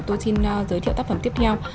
tôi xin giới thiệu tác phẩm tiếp theo